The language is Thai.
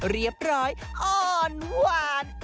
เรียบร้อยอ่อนหวาน